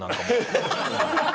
ハハハハ！